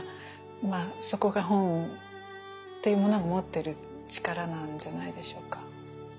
まあそこが本というものが持ってる力なんじゃないでしょうか。